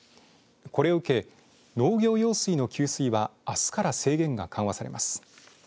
これを受け、農業用水の給水はあすから制限が緩和されます。